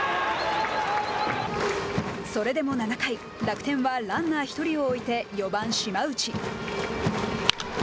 それでも７回楽天はランナー１人を置いて４番島内。